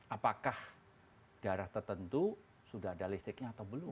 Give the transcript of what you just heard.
apakah daerah tertentu sudah ada listriknya atau belum